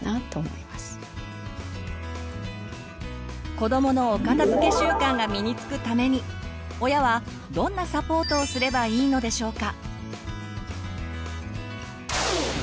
子どものお片づけ習慣が身につくために親はどんなサポートをすればいいのでしょうか。